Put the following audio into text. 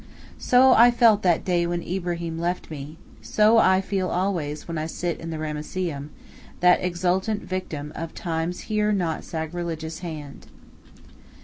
So I felt that day when Ibrahim left me, so I feel always when I sit in the Ramesseum, that exultant victim of Time's here not sacrilegious hand.